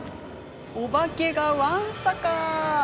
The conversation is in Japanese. おばけが、わんさか！